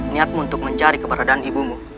niatmu untuk mencari keberadaan ibumu